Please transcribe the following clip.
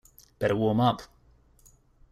Better warm up.